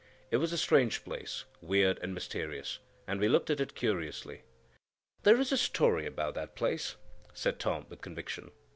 It was a strange place, weird and mysterious, and we looked at it curiously. "There is a story about that place," said Tom, with conviction.